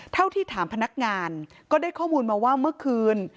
เท่าที่ถามพนักงานก็ได้ข้อมูลมาว่าเมื่อคืน